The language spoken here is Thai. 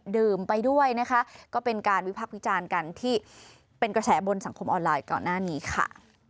ดื่มไปด้วยนะคะก็เป็นการวิพักษ์วิจารณ์กันที่เป็นกระแสบนสังคมออนไลน์ก่อนหน้านี้ค่ะ